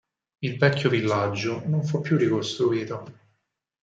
Il vecchio villaggio non fu più ricostruito.